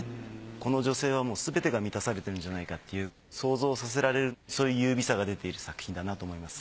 この女性はすべてが満たされているんじゃないかっていう想像をさせられるその優美さが出ている作品だなと思います。